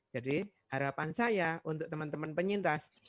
jadi harapan saya untuk teman teman penyintas